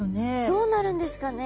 どうなるんですかね？